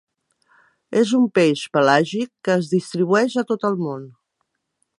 És un peix pelàgic que es distribueix a tot el món.